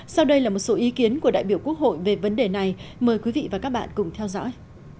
sau đây là một số ý kiến của đại biểu quốc hội về vấn đề này mời quý vị và các bạn cùng theo dõi